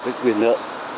cái quyền nợ